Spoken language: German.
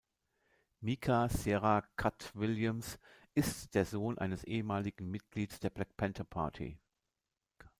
Micah Sierra „Katt“ Williams ist der Sohn eines ehemaligen Mitglieds der Black Panther Party.